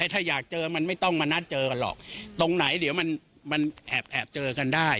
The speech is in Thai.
ถ้าอยากเจอมันไม่ต้องมานัดเจอกันหรอกตรงไหนเดี๋ยวมันแอบเจอกันได้